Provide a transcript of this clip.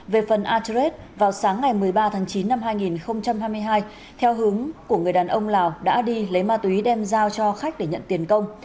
về phần atreet vào sáng ngày một mươi ba tháng chín năm hai nghìn hai mươi hai theo hướng của người đàn ông lào đã đi lấy ma túy đem giao cho khách để nhận tiền công